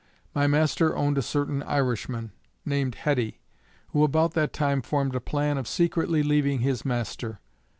My master owned a certain Irishman, named Heddy, who about that time formed a plan of secretly leaving his master.